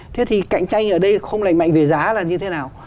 thế thì cạnh tranh ở đây không lành mạnh về giá là như thế nào